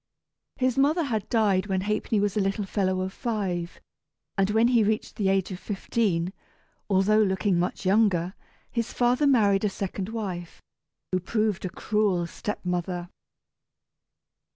His mother had died when Ha'penny was a little fellow of five, and when he reached the age of fifteen (although looking much younger) his father married a second wife, who proved a cruel step mother.